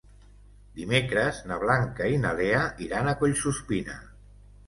Dimecres na Blanca i na Lea iran a Collsuspina.